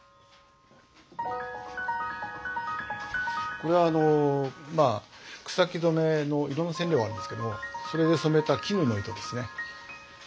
これあのまあ草木染の色の染料があるんですけれどもそれで染めた絹の糸ですね。